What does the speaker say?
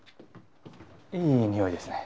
いいにおいですね。